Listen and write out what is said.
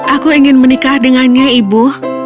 aku ingin menikah dengannya ibu